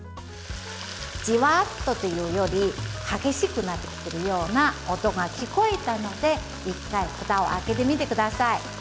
じわっと、というより激しくなってきてるような音が聞こえたので１回、ふたを開けてみてください。